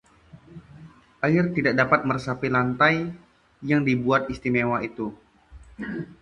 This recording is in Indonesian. air tidak dapat meresapi lantai yang dibuat istimewa itu